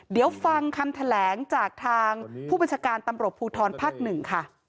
เดี๋ยวฟังคำแถลงจากทางผู้บัญชาการตำรวจภูทรภาค๑ค่ะ